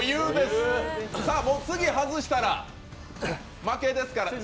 次外したら負けですから。